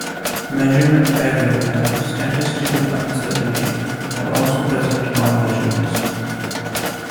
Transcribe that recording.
Measurement error and statistical uncertainty are also present in all measurements.